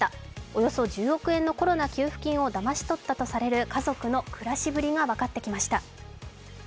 およそ１０億円のコロナ給付金をだまし取ったとされる家族の暮らしぶりが分かってきました。